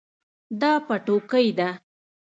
دا پټوکۍ ده